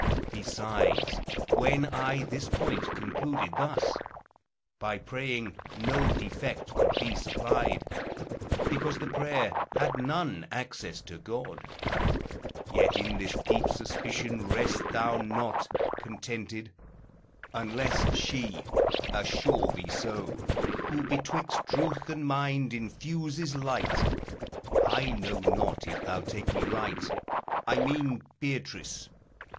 Besides, when I this point concluded thus, By praying no defect could be supplied: Because the prayer had none access to God. Yet in this deep suspicion rest thou not Contented, unless she assure thee so, Who betwixt truth and mind infuses light: I know not if thou take me right; I mean Beatrice.